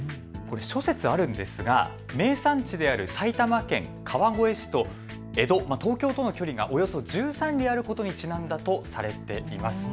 諸説あるんですが名産地である埼玉県川越市と江戸、東京との距離がおよそ１３里あることにちなんだとされています。